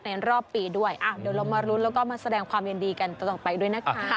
รอบปีด้วยเดี๋ยวเรามารุ้นแล้วก็มาแสดงความยินดีกันต่อไปด้วยนะคะ